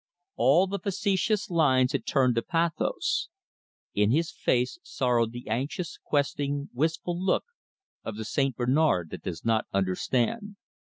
All the facetious lines had turned to pathos. In his face sorrowed the anxious, questing, wistful look of the St. Bernard that does not understand.